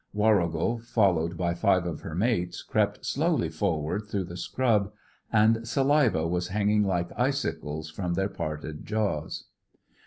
Warrigal, followed by five of her mates, crept slowly forward through the scrub; and saliva was hanging like icicles from their parted jaws.